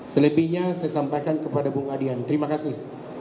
selebihnya saya sampaikan kepada bung adian terima kasih